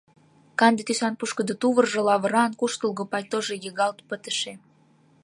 Канде тӱсан пушкыдо тувыржо лавыран, куштылго пальтожо йыгалт пытыше.